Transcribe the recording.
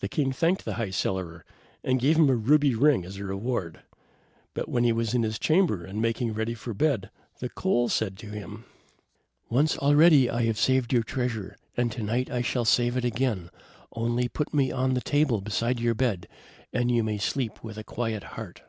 The king thanked the High Cellarer, and gave him a ruby ring as a reward. But when he was in his chamber, and making ready for bed, the coal said to him: "Once already have I saved your treasure, and to night I shall save it again. Only put me on the table beside your bed, and you may sleep with a quiet heart."